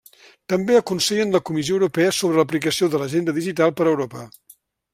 També aconsellen la Comissió Europea sobre l'aplicació de l'Agenda Digital per a Europa.